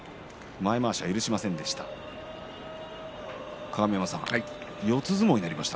前まわしを許しませんでした。